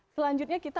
selanjutnya kita akan